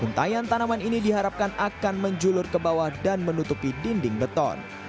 untayan tanaman ini diharapkan akan menjulur ke bawah dan menutupi dinding beton